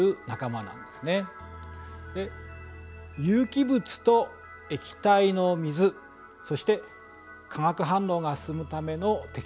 で有機物と液体の水そして化学反応が進むための適切な温度